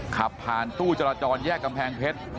ขับผ่านตู้จราจรแยกกำแพงเพชร